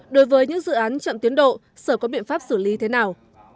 đối với những dự án chậm tiến độ sở có biện pháp xử lý thế nào